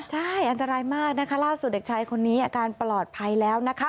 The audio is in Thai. ใช่อันตรายมากนะคะล่าสุดเด็กชายคนนี้อาการปลอดภัยแล้วนะคะ